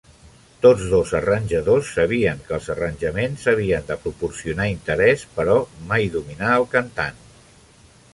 Tots dos arranjadors sabien que els arranjaments havien de proporcionar interès, però mai dominar el cantant.